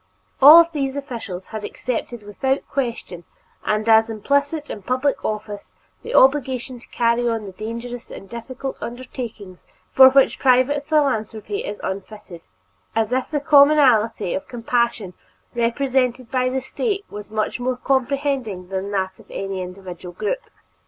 All of these officials had accepted without question and as implicit in public office the obligation to carry on the dangerous and difficult undertakings for which private philanthropy is unfitted, as if the commonalty of compassion represented by the State was more comprehending than that of any individual group.